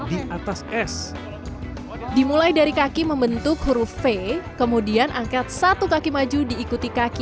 di atas es dimulai dari kaki membentuk huruf v kemudian angkat satu kaki maju diikuti kaki